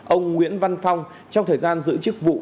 ông nguyễn văn phong trong thời gian giữ chức vụ